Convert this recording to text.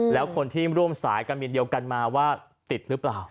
แล้วคนที่ร่วมสายการบินเดียวกันมาว่าติดหรือเปล่า